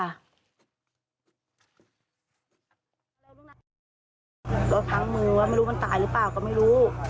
รถพังมือว่าไม่รู้มันตายหรือเปล่าก็ไม่รู้